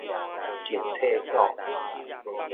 上廁所